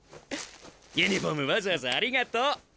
ユニフォームわざわざありがとう。